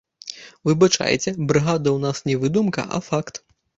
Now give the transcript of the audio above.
Выбачайце, брыгады ў нас не выдумка, а факт.